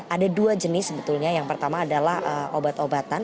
ada dua jenis sebetulnya yang pertama adalah obat obatan